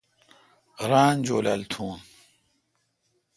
ران جولال تھون۔